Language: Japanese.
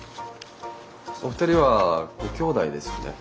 お二人はご兄弟ですよね？